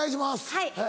はい。